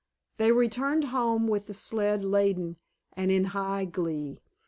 They returned home with the sled laden and in high glee.